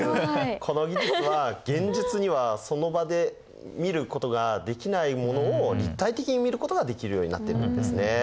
この技術は現実にはその場で見ることができないものを立体的に見ることができるようになっているんですね。